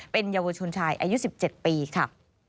เป็นเยาวชนชายอายุ๑๗ปีค่ะ